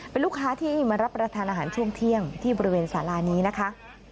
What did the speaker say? เป็นลูกค้าที่มารับประทานอาหารช่วงเที่ยงที่บริเวณสารานี้นะคะ